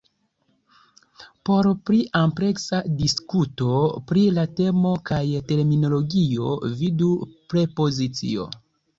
Por pli ampleksa diskuto pri la temo kaj terminologio, vidu "prepozicio".